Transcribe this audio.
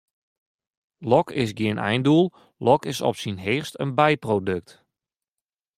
Lok is gjin eindoel, lok is op syn heechst in byprodukt.